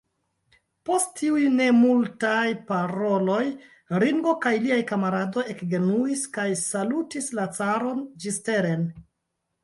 Post tiuj nemultaj paroloj Ringo kaj liaj kamaradoj ekgenuis kaj salutis la caron ĝisteren.